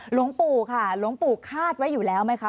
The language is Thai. หลวงปู่ค่ะหลวงปู่คาดไว้อยู่แล้วไหมคะ